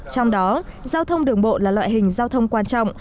trong đó giao thông đường bộ là loại hình giao thông quan trọng